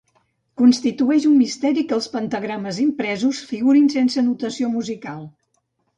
Constitueix un misteri que els pentagrames impresos figurin sense notació musical.